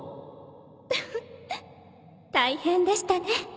フフッ大変でしたね